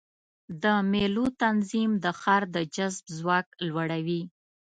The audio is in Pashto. د مېلو تنظیم د ښار د جذب ځواک لوړوي.